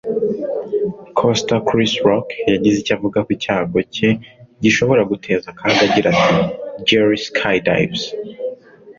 Costar Chris Rock yagize icyo avuga ku cyago cye gishobora guteza akaga, agira ati: “Jerry skydives.